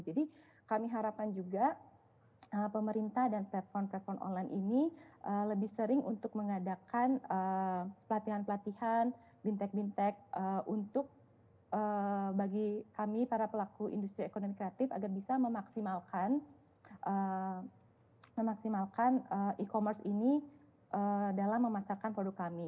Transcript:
jadi kami harapkan juga pemerintah dan platform platform online ini lebih sering untuk mengadakan pelatihan pelatihan bintang bintang untuk bagi kami para pelaku industri ekonomi kreatif agar bisa memaksimalkan e commerce ini dalam memasarkan produk kami